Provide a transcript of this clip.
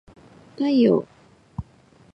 太陽